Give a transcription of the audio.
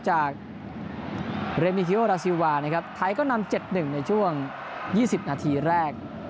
จากเรมิคิโอราซิลวานะครับไทยก็นำ๗๑ในช่วง๒๐นาทีแรก